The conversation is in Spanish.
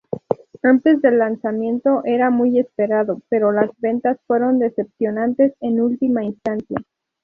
Antes del lanzamiento era muy esperado, pero las ventas fueron decepcionantes en última instancia.